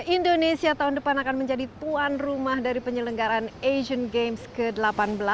indonesia tahun depan akan menjadi tuan rumah dari penyelenggaran asian games ke delapan belas